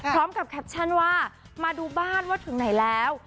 พร้อมกับแคปชั่นว่ามาดูบ้านว่าถึงไหนแล้ว